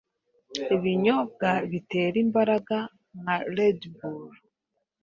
ibinyobwa bitera imbaraga nka redbull.